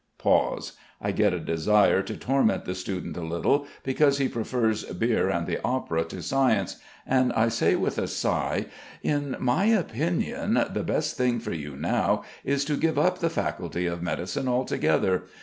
Pause. I get a desire to torment the student a little, because he prefers beer and the opera to science; and I say with a sigh: "In my opinion, the best thing for you now is to give up the Faculty of Medicine altogether.